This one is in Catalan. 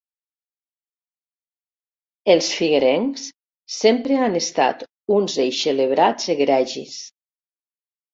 Els figuerencs sempre han estat uns eixelebrats egregis.